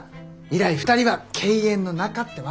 以来２人は敬遠の仲ってわけ。